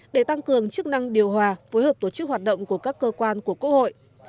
để tăng cường chức năng điều hòa phối hợp tổ chức hoạt động của các cơ quan của quốc hội